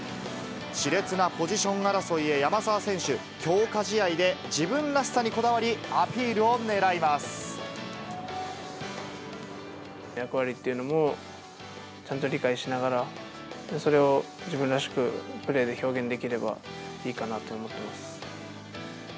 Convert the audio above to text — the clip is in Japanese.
しれつなポジション争いへ山沢選手、強化試合で自分らしさにこだわり、役割っていうのも、ちゃんと理解しながら、それを自分らしくプレーで表現できればいいかなと思ってます。